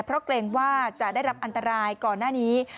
เพราะเกรงว่าจะได้รับอันตรายก่อนหน้านี้